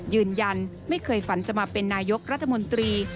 ยืนยันไม่เคยฝันจะมาเป็นนายกรัฐมนตรี